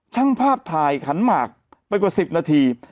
ช่างภาพถ่ายขันหมากไปกว่า๑๐นาที